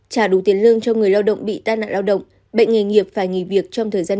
trả đủ tiền lương cho người lao động bị tai nạn lao động bệnh nghề nghiệp phải nghỉ việc trong thời gian